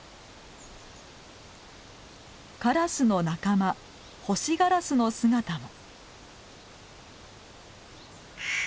カラスの仲間ホシガラスの姿も。